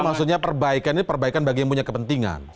jadi maksudnya perbaikan ini perbaikan bagi yang punya kepentingan